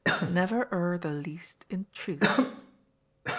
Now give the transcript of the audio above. Never err the least in truth.